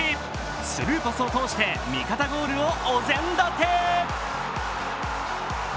スルーパスを通して味方ゴールをお膳立て。